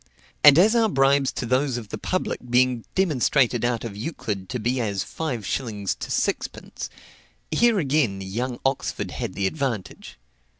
And as our bribes to those of the public being demonstrated out of Euclid to be as five shillings to sixpence, here again young Oxford had the advantage.